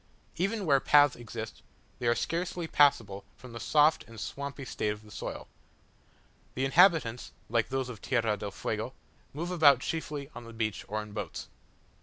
Even where paths exist, they are scarcely passable from the soft and swampy state of the soil. The inhabitants, like those of Tierra del Fuego, move about chiefly on the beach or in boats.